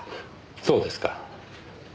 そうですか。